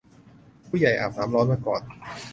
ผู้ใหญ่อาบน้ำร้อนมาก่อน